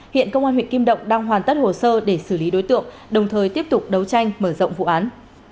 hiện công an huyện kim động đang hoàn tất hồ sơ để xử lý đối tượng đồng thời tiếp tục đấu tranh mở rộng vụ án